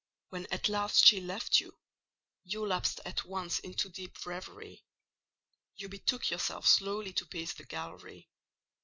When at last she left you, you lapsed at once into deep reverie: you betook yourself slowly to pace the gallery.